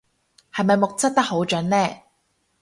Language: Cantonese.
係咪目測得好準呢